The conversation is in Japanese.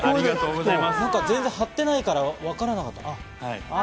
全然張ってないからわからなかった。